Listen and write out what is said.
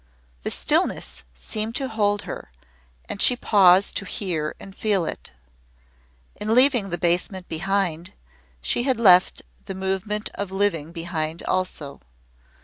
The stillness seemed to hold her and she paused to hear and feel it. In leaving the basement behind, she had left the movement of living behind also.